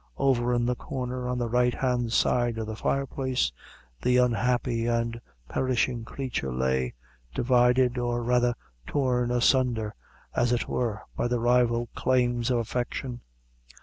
Over in the corner, on the right hand side of the fire place, the unhappy and perishing creature lay, divided, or rather torn asunder, as it were, by the rival claims of affection.